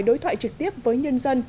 đối thoại trực tiếp với nhân dân